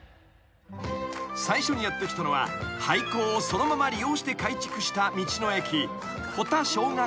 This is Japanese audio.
［最初にやって来たのは廃校をそのまま利用して改築した道の駅］